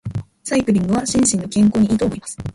サイクリングは心身の健康に良いと思います。